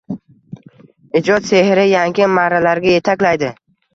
Ijod sehri yangi marralarga yetaklaydi